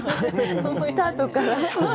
スタートから。